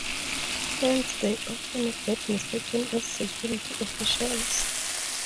Hence they often get mistaken as security officials.